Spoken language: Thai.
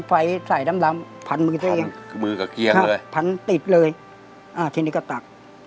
พันธุ์มือได้ยังพันธุ์ติดเลยอ่าทีนี้ก็ตัก